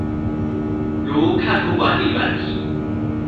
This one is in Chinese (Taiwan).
如看圖管理軟體